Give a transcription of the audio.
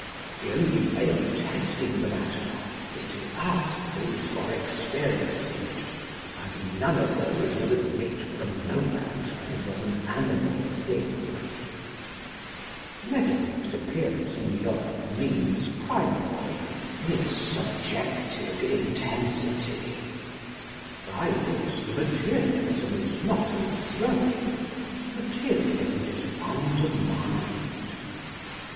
The only way of testing the matter is to ask those who are experienc ing it, and none of those would admit for a moment that it was an animal thing. Maeterlinck's appearance in Europe means primarily this subjective intensity ; by this the materialism is not overthrown : materialism is undermined.